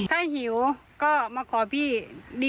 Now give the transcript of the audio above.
ถ้าหิวก็มาขอพี่